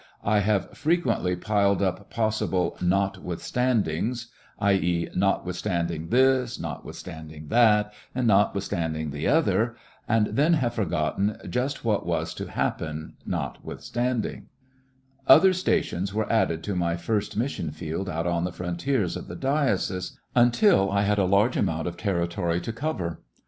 I have frequently piled up possible "notwithstandings," i.e., notwithstanding this, notwithstanding that, and notwithstanding the other, and then have forgotten just what was to happen "notwith standing" ! Disregarding Other stations were added to my first mis Uie weather ^.^^^^^^^^^^^^^ frontiers of the diocese, 30 ll}/lissionarY in t^e Great West until I had a large amount of territory to cover.